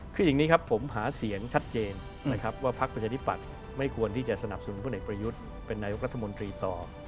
คืออย่างนี้ครับผมหาเสียงชัดเจนนะครับว่าพักประชาธิปัตย์ไม่ควรที่จะสนับสนุนพลเอกประยุทธ์เป็นนายกรัฐมนตรีต่อ